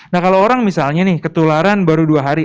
nah kalau orang misalnya nih ketularan baru dua hari